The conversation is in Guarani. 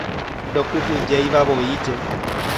Ndokyhyjeivavoíje.